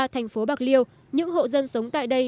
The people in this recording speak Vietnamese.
thành phố bạc liêu những hộ dân sống tại đây